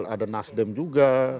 ada nasdem juga